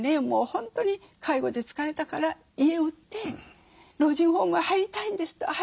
もう本当に介護で疲れたから家を売って老人ホームへ入りたいんですと。